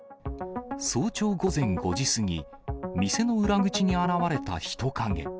早朝午前５時過ぎ、店の裏口に現れた人影。